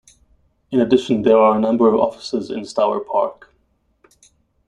In addition there are a number of offices in Stour Park.